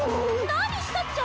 何したっちゃ！？